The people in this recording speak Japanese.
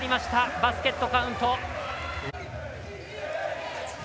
バスケットカウント。